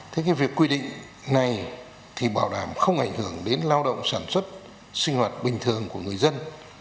thế cái việc quy định này thì bảo đảm không ảnh hưởng đến lao động sản xuất sinh hoạt bình thường của người dân